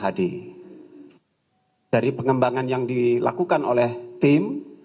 jadi dari pengembangan yang dilakukan oleh tim